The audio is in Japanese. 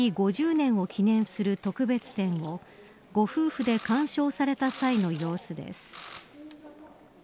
５０年を記念する特別展をご夫婦で鑑賞された際の様子です。